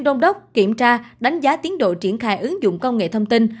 thường trực ban chỉ đạo kiểm tra đánh giá tiến độ triển khai ứng dụng công nghệ thông tin